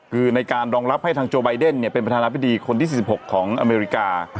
คือในการรองรับให้ทางโจไบเดนเป็นประธานาธิบดีคนที่๔๖ของอเมริกา